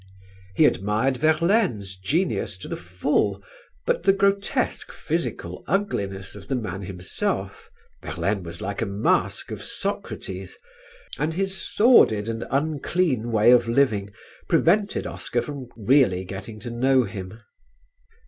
He admired Verlaine's genius to the full but the grotesque physical ugliness of the man himself (Verlaine was like a masque of Socrates) and his sordid and unclean way of living prevented Oscar from really getting to know him.